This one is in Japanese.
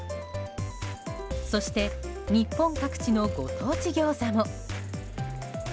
そして日本各地のご当地ギョーザも。